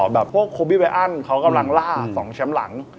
แบบพวกโคบีเวอันเขากำลังล่า๒แชมป์หลัง